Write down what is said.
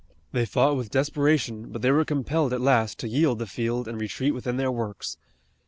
They fought with desperation, but they were compelled at last to yield the field and retreat within their works.